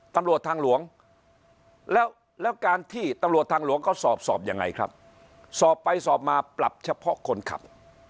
ตำรวจทางหลวงแล้วแล้วการที่ตำรวจทางหลวงเขาสอบสอบยังไงครับสอบไปสอบมาปรับเฉพาะคนขับ